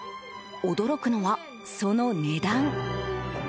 驚くのはその値段。